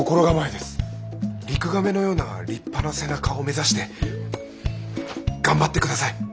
リクガメのような立派な背中を目指して頑張って下さい。